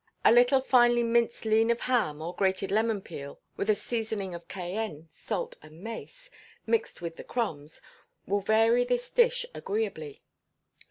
A little finely minced lean of ham or grated lemon peel, with a seasoning of cayenne, salt, and mace, mixed with the crumbs, will vary this dish agreeably.